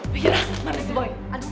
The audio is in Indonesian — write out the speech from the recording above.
biar mari si boy